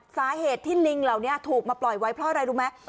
สาเหตุที่ลิงเหล่านี้ถูกมาปล่อยไว้เพราะอะไรรู้ไหม